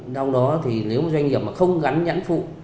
trong đó thì nếu doanh nghiệp mà không gắn nhãn phụ